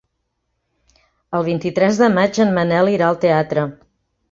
El vint-i-tres de maig en Manel irà al teatre.